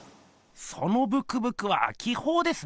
そのブクブクは気ほうですね。